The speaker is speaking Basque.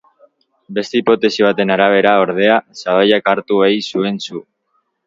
Beste hipotesi baten arabera, ordea, sabaiak hartu ei zuen su.